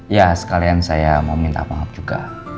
ya sekalian saya mau minta maaf juga